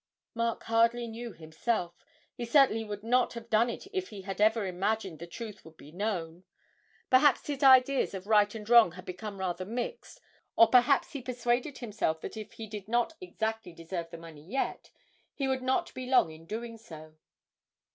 Mark hardly knew himself; he certainly would not have done it if he had ever imagined the truth would be known; perhaps his ideas of right and wrong had become rather mixed, or perhaps he persuaded himself that if he did not exactly deserve the money yet, he would not be long in doing so.